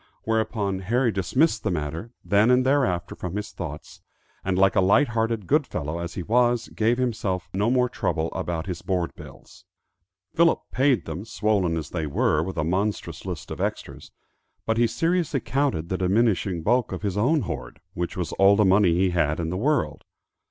Whereupon Harry dismissed the matter then and thereafter from his thoughts, and, like a light hearted good fellow as he was, gave himself no more trouble about his board bills. Philip paid them, swollen as they were with a monstrous list of extras; but he seriously counted the diminishing bulk of his own hoard, which was all the money he had in the world.